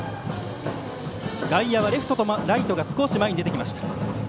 外野はレフト、ライトが少し前に出てきました。